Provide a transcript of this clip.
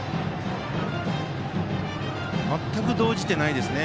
全く動じていないですね。